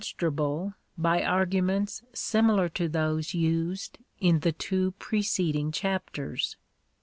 145 strable by arguments similar to those used in the two preceding chapters.